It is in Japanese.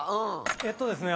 えっとですね